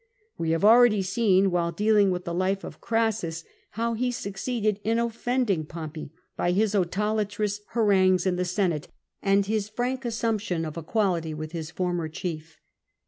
We have already seezi, while dealing with the life of Crassus, how he succeeded in offending Pompey by his autolatrous harangues in the Senate, and his frank assumption of equality with his former chief.